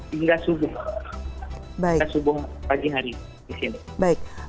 hingga subuh pagi hari